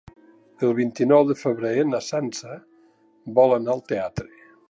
El vint-i-nou de febrer na Sança vol anar al teatre.